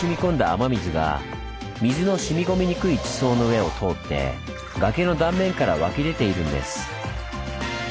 雨水が水のしみ込みにくい地層の上を通って崖の断面から湧き出ているんです。